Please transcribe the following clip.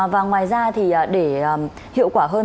và ngoài ra thì để hiệu quả hơn